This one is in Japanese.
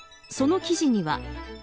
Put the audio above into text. その記事には。